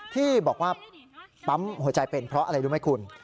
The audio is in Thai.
ที่บอกว่าปั๊มหัวใจเป็นเพราะอะไรรู้ไหมคุณ